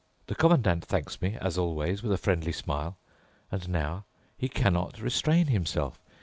The Commandant thanks me, as always, with a friendly smile. And now he cannot restrain himself.